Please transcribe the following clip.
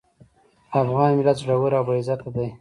افغان ملت زړور او باعزته دی.